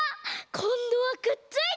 こんどはくっついた！